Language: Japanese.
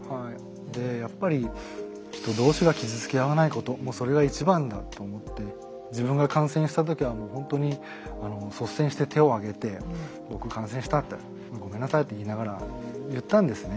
やっぱりもうそれが一番だって思って自分が感染した時はもうほんとに率先して手をあげて「僕感染した」って「ごめんなさい」って言いながら言ったんですね。